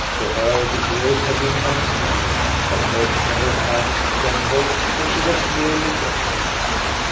To her the years had been unkind; her head and her hands trembled, and she was nearly deaf.